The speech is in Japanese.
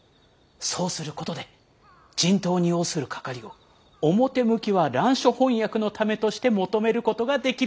そうすることで人痘に要するかかりを表向きは蘭書翻訳のためとして求めることができるそうです。